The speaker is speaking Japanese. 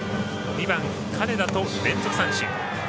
２番、金田と連続三振。